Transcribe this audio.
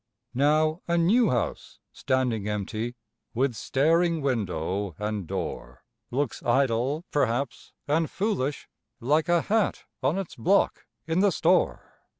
Now, a new house standing empty, with staring window and door, Looks idle, perhaps, and foolish, like a hat on its block in the store.